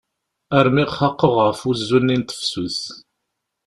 Armi xaqeɣ ɣef uzzu-nni n tefsut.